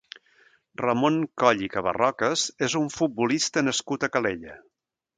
Ramon Coll i Cabarrocas és un futbolista nascut a Calella.